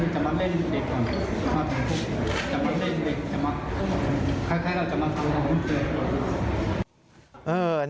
จะมาเล่นเด็กคล้ายเราจะมาทำของอุ้มเจยก่อน